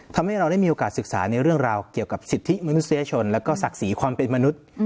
ทำให้เราได้มีโอกาสศึกษาในเรื่องราวเกี่ยวกับสิทธิมนุษยชนแล้วก็ศักดิ์ศรีความเป็นมนุษย์